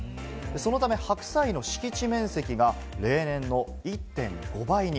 そのため白菜の敷地面積が例年の１．５倍に。